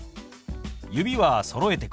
指はそろえてくださいね。